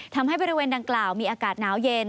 ทำให้บริเวณดังกล่าวมีอากาศหนาวเย็น